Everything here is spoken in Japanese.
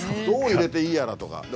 どう入れていいやらとか。